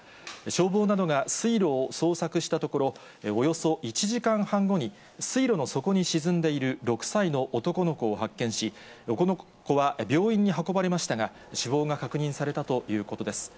消防などが水路を捜索したところ、およそ１時間半後に、水路の底に沈んでいる６歳の男の子を発見し、男の子は病院に運ばれましたが、死亡が確認されたということです。